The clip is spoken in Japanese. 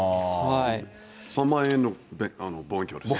３万円の望遠鏡です。